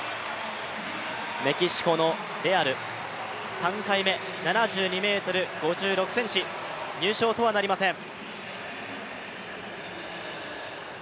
メキシコのレアル、３回目、７２ｍ５６ｃｍ、入賞とはなりません。